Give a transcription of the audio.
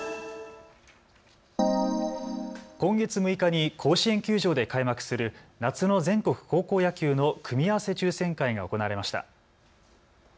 今月６日に甲子園球場で開幕するする夏の全国全国高校野球の組み合わせ抽せん会が行われました。